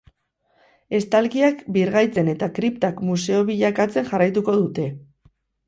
Estalkiak birgaitzen eta kriptak museo bilakatzen jarraituko dute.